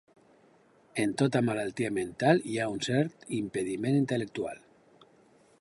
En tota malaltia mental hi ha un cert impediment intel·lectual.